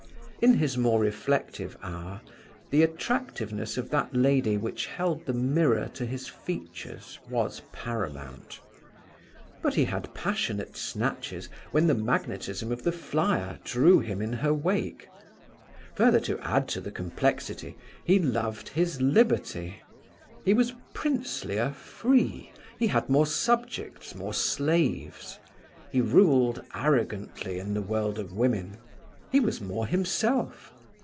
In his more reflective hour the attractiveness of that lady which held the mirror to his features was paramount. But he had passionate snatches when the magnetism of the flyer drew him in her wake. Further to add to the complexity, he loved his liberty; he was princelier free; he had more subjects, more slaves; he ruled arrogantly in the world of women; he was more himself.